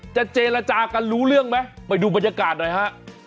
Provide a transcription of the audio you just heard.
เจรจากันรู้เรื่องไหมไปดูบรรยากาศหน่อยฮะ